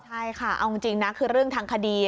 ใช่ค่ะเอาจริงนะคือเรื่องทางคดี